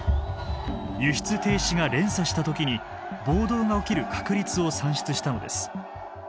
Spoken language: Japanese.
輸出停止が連鎖した時に暴動が起きる確率を算出したのです。